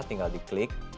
tinggal di klik